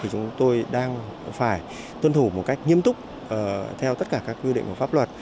chúng tôi đang phải tuân thủ một cách nghiêm túc theo tất cả các quy định của pháp luật